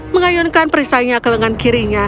mengayunkan perisainya ke lengan kirinya